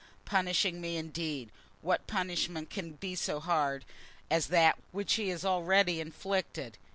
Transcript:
Punishing me, indeed! What punishment can be so hard as that which he has already inflicted?